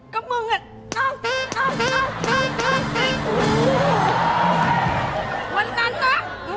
ก็มึงเนี่ยอ้าวใจผู้